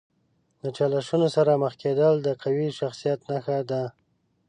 د چالشونو سره مخ کیدل د قوي شخصیت نښه ده.